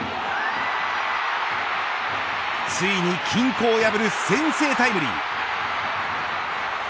ついに均衡を破る先制タイムリー。